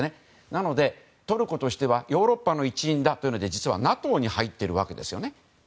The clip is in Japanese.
なので、トルコとしてはヨーロッパの一員だというので実はＮＡＴＯに入っているわけですよね。